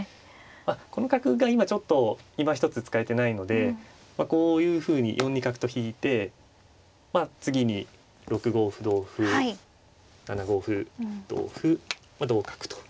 この角が今ちょっといまひとつ使えてないのでこういうふうに４二角と引いてまあ次に６五歩同歩７五歩同歩同角と。